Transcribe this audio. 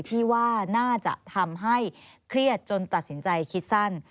ที่ว่าน่าจะทำให้เครียดจนตัดสินใจคิดสั้น